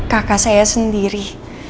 kakak saya sendiri